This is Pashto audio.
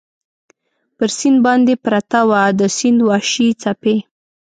پر سیند باندې پرته وه، د سیند وحشي څپې.